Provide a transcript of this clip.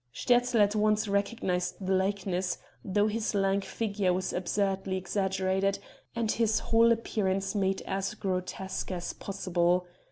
Sterzl at once recognized the likeness, though his lank figure was absurdly exaggerated, and his whole appearance made as grotesque as possible.